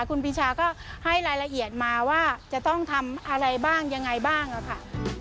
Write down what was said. คุณปีชาก็ให้รายละเอียดมาว่าจะต้องทำอะไรบ้างยังไงบ้างค่ะ